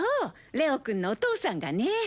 レオくんのお父さんがね。